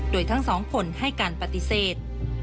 โดยทั้งสองคนให้การปฏิเสธ